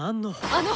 あの！